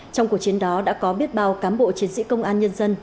trong cuộc chiến đó đã có biết bao cám bộ chiến sĩ công an nhân dân